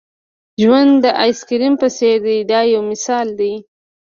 ژوند د آیس کریم په څېر دی دا یو مثال دی.